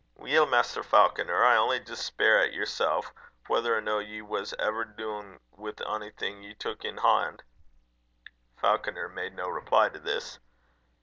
"Weel, Maister Falconer, I only jist spier at yersel', whether or no ye was ever dung wi' onything ye took in han'." Falconer made no reply to this.